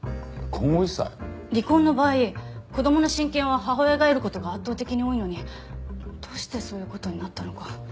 離婚の場合子供の親権は母親が得る事が圧倒的に多いのにどうしてそういう事になったのか。